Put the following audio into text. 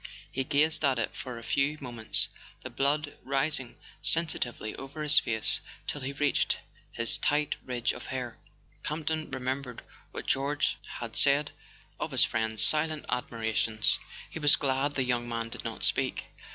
He gazed at it for a few moments, the blood rising sensitively over his face till it reached his tight ridge of hair. Campton remembered what George had A SON AT THE FRONT said of his friend's silent admirations; he was glad the young man did not speak.